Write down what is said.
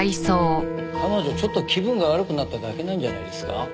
彼女ちょっと気分が悪くなっただけなんじゃないですか？